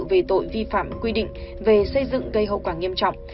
về tội vi phạm quy định về xây dựng gây hậu quả nghiêm trọng